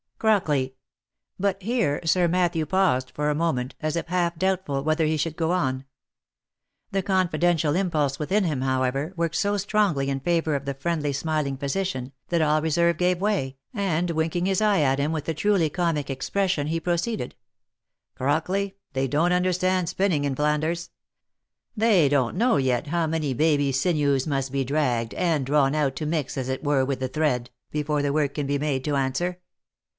— Crockley," but here Sir Matthew paused for a moment, as if half doubtful whether he should go on. The confidential impulse within him, however, worked so strongly in favour of the friendly smiling physician, that all reserve gave way, and winking his eye at him with a truly comic expression, he proceeded —" Crock ley, they don't understand spinning in Flanders : they don't know yet how many baby sinews must be dragged, and drawn out to mix as it were with the thread, before the work can be made to answer.